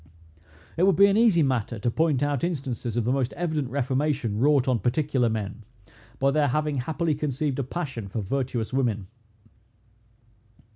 It would be an easy matter to point out instances of the most evident reformation, wrought on particular men, by their having happily conceived a passion for virtuous women.